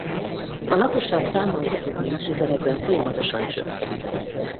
A lakosság száma az utóbbi évtizedekben folyamatosan csökkent.